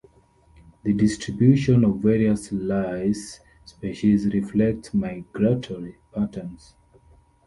The distribution of various lice species reflects migratory patterns.